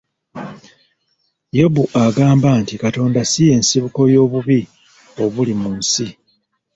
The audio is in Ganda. Yobu agamba nti Katonda si y'ensibuko y'obubi obuli mu nsi.